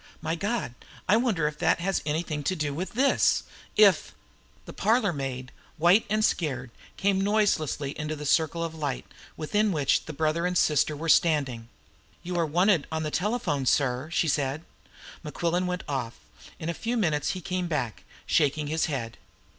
My God, I wonder if that has anything to do with this? If " The parlourmaid, white and scared, came noiselessly into the circle of electric light within which the brother and sister were standing. "You are wanted at the telephone, sir," she said. Mequillen went off. In a few minutes he came back, shaking his head.